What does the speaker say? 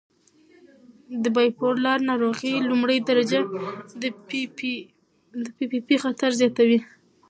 د بایپولار ناروغۍ لومړۍ درجه د پي پي پي خطر زیاتوي.